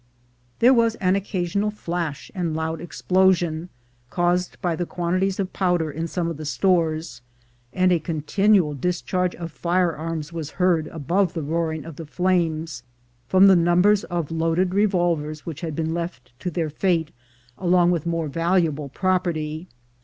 There was an occasional flash and loud explosion, caused by the quantities of powder in some of the stores, and a continual discharge of firearms was heard above the roaring of the flames, from the num bers of loaded revolvers which had been left to their fate along with more valuable property.